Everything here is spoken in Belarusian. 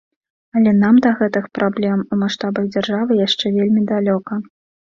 Але нам да гэтых праблем у маштабах дзяржавы яшчэ вельмі далёка.